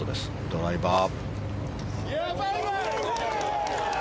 ドライバー。